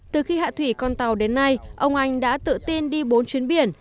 từ khi hạ thủy con tàu đến nay ông anh đã tự tin đi bốn chuyến biển